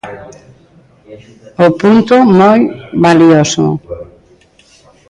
O punto, moi valioso.